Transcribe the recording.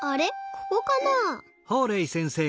ここかなあ？